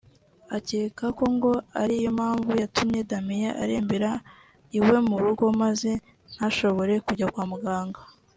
Akeka ko ngo ari yo mpamvu yatumye Ndamiye arembera iwe mu rugo maze ntashobore kujya kwa muganga